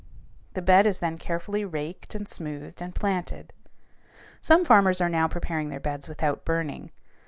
The bed is then carefully raked and smoothed and planted. Some farmers are now preparing their beds without burning.